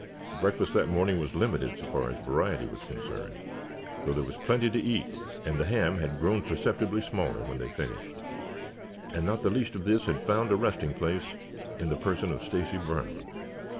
Breakfast that morning was limited, so far as variety was concerned, though there was plenty to eat, and the ham had grown perceptibly smaller when they finished, and not the least of this had found a resting place in the person of Stacy Brown.